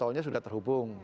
dan tolnya sudah terhubung